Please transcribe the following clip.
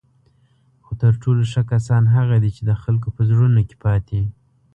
خو تر ټولو ښه کسان هغه دي چی د خلکو په زړونو کې پاتې